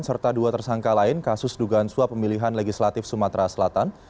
serta dua tersangka lain kasus dugaan suap pemilihan legislatif sumatera selatan